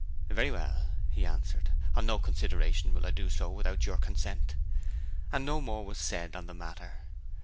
'Very well,' he answered. 'On no consideration will I do so without your consent.' And no more was said on the matter.